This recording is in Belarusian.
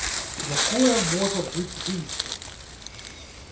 Якое можа быць выйсце?